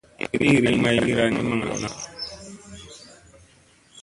Iiri maygira ni maŋ lona.